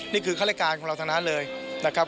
นี่คือข้ารายการของเราทางนั้นเลยนะครับ